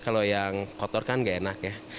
kalau yang kotor kan gak enak ya